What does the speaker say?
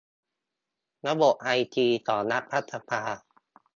ระบบไอทีของรัฐสภา